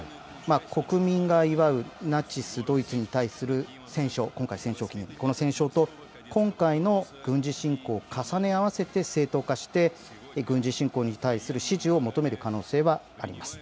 国民が祝うナチス・ドイツに対する戦勝、今回、戦勝記念日、この戦勝と今回の軍事侵攻を重ね合わせて正当化して軍事侵攻に対する支持を求める可能性はあります。